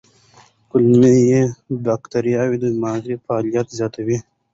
کولمو بکتریاوې د دماغ فعالیت زیاتوي.